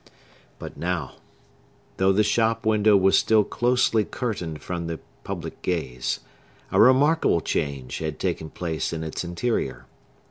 But now, though the shop window was still closely curtained from the public gaze, a remarkable change had taken place in its interior.